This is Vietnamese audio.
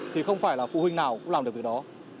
thì không phải là phụ huynh nào cũng làm được việc đó